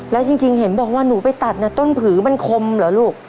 แล้วจริงเห็นบอกว่าหนูไปตัดต้นผือมันคมเหรอลูก